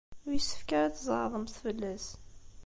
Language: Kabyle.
Ur yessefk ara ad tzeɛḍemt fell-as.